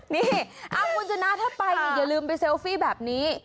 นี่คุณชนะถ้าไปอย่าลืมไปเซลฟี่แบบนี้